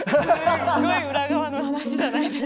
すごい裏側の話じゃないですか。